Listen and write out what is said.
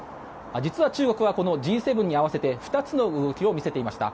実は、中国はＧ７に合わせて２つの動きを見せていました。